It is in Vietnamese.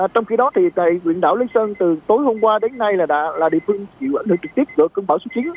trong khi đó thì tại huyện đảo lý sơn từ tối hôm qua đến nay là địa phương chịu lựa trực tiếp được cơn bão số chín